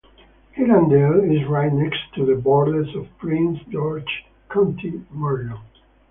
Hillandale is right next to the border of Prince George's County, Maryland.